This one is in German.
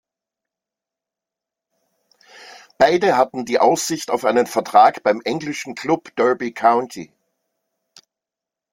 Beide hatten die Aussicht auf einen Vertrag beim englischen Klub Derby County.